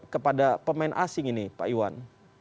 kepada pemain asing ini pak iwan